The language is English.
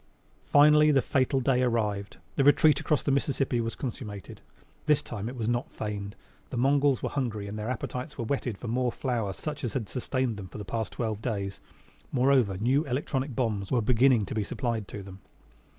Finally the fatal day arrived. The retreat across the Mississippi was consummated. This time it was not feigned. The Mongols were hungry, and their appetites were whetted for more flour such as had sustained them for the past twelve days. Moreover, new electronic bombs were beginning to be supplied them.